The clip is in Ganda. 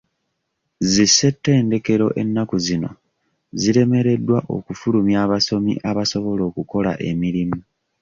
Zi ssetendekero ennaku zino ziremeredwa okufulumya abasomi abasobola okukola emirmu.